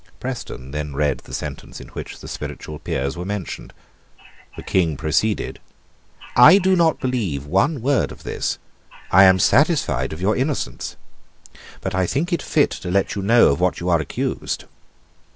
Preston then read the sentence in which the Spiritual Peers were mentioned. The King proceeded: "I do not believe one word of this: I am satisfied of your innocence; but I think it fit to let you know of what you are accused."